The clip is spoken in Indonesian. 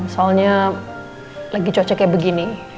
soalnya lagi coceknya begini